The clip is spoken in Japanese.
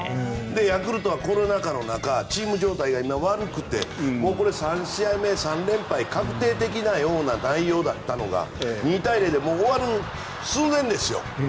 で、ヤクルトはコロナ禍の中チーム状態が今、悪くて３試合目３連敗確定的な内容だったのが２対０で終わる寸前ですよ。